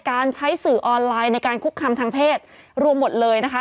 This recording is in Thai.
การใช้สื่อออนไลน์ในการคุกคำทางเพศรวมหมดเลยนะคะ